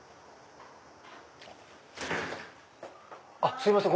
すいません